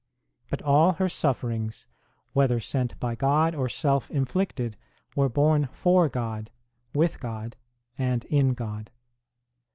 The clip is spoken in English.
But all her sufferings, whether sent by God or self inflicted, were borne for God, with God, and in God.